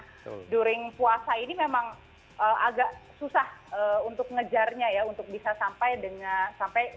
during puasa ini memang agak susah untuk ngejarnya ya untuk bisa sampai dengan sampai